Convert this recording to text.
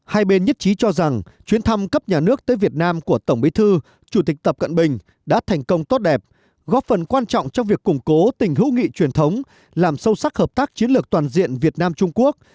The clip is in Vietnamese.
hai bên nhất trí cho rằng chuyến thăm cấp nhà nước tới việt nam của tổng bí thư chủ tịch tập cận bình đã thành công tốt đẹp góp phần quan trọng trong việc củng cố tình hữu nghị truyền thống làm sâu sắc hợp tác chiến lược toàn diện việt nam trung quốc